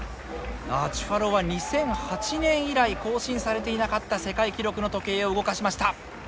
チュファロウは２００８年以来更新されていなかった世界記録の時計を動かしました。